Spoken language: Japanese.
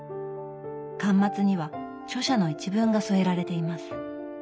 巻末には著者の一文が添えられています。